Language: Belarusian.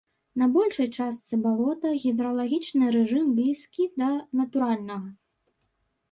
На большай частцы балота гідралагічны рэжым блізкі да натуральнага.